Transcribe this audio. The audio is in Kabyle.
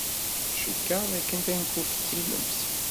Ccikeɣ d aken tankult d tilemt.